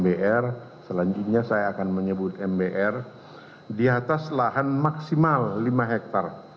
br selanjutnya saya akan menyebut mbr di atas lahan maksimal lima hektare